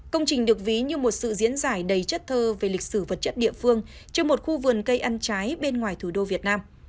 công trình được ví như một sự diễn giải đầy chất thơ về lịch sử vật chất địa phương cho một khu vườn cây ăn trái bên ngoài thủ đô việt nam